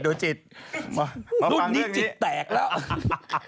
ดูลุ้นนี้จิตแตกแล้ว